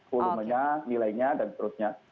kurumnya nilainya dan seterusnya